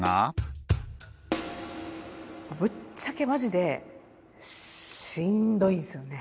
ぶっちゃけマジでしんどいんすよね。